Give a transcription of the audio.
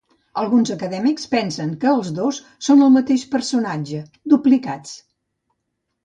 Alguns acadèmics pensen que els dos són el mateix personatge, duplicats.